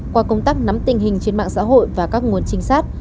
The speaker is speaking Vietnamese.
qua công tác nắm tình hình trên mạng xã hội và các nguồn trinh sát